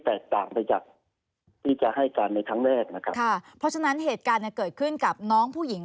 เพราะฉะนั้นเหตุการณ์เกิดขึ้นกับน้องผู้หญิง